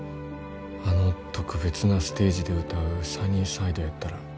あの特別なステージで歌う「サニーサイド」やったら。